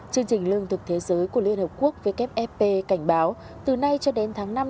chương trình lương thực thế giới của liên hợp quốc wfp cảnh báo từ nay cho đến tháng năm năm hai nghìn hai mươi bốn